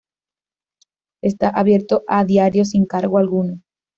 Está abierto a diario sin cargo alguno.